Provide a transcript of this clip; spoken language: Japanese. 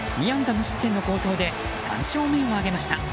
無失点の好投で３勝目を挙げました。